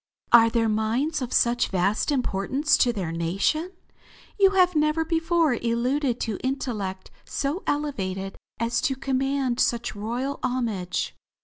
"Are their minds of such vast importance to their nation? You have never before alluded to intellect so elevated as to command such royal homage."